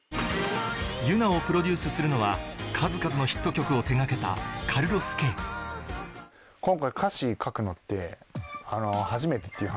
ＹＵＮＡをプロデュースするのは数々のヒット曲を手掛けたカルロス・ケー今。